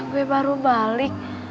gue baru balik